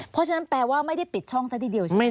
เพราะฉะนั้นแปลว่าไม่ได้ปิดช่องซะทีเดียวใช่ไหมค